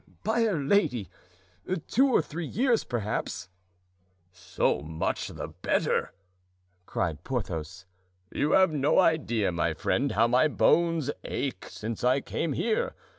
"By'r Lady! two or three years perhaps." "So much the better," cried Porthos. "You have no idea, my friend, how my bones ache since I came here.